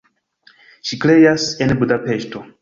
Ŝi kreas en Budapeŝto.